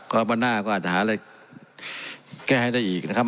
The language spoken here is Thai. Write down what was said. ก็วันหน้าก็อาจจะหาอะไรแก้ให้ได้อีกนะครับ